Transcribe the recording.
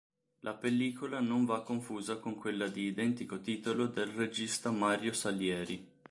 La pellicola non va confusa con quella di identico titolo del regista Mario Salieri.